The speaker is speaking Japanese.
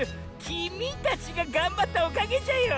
「きみ」たちががんばったおかげじゃよ。